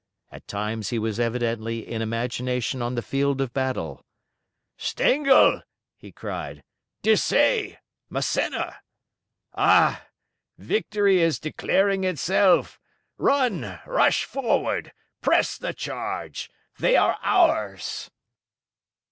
At times he was evidently in imagination on the field of battle. "Stengel!" he cried; "Desaix! Massena! Ah! victory is declaring itself! run rush forward press the charge! they are ours!"